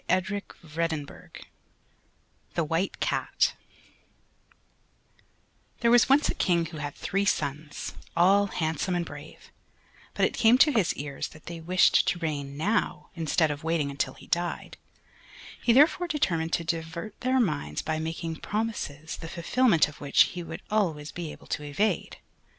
THE WHITE CAT There was once a King who had three sons, all handsome and brave, but it came to his ears that they wished to reign now instead of waiting until he died, he therefore determined to divert their minds by making promises the fulfilment of which he would always be able to evade.